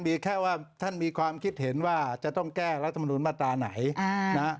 มีแค่ว่าท่านมีความคิดเห็นว่าจะต้องแก้รัฐมนุนมาตราไหนนะ